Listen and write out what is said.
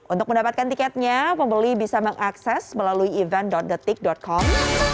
untuk mendapatkan tiketnya pembeli bisa mengakses melalui event detik com